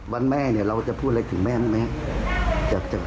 วันแม่เราจะพูดอะไรถึงแม่น่ะไหม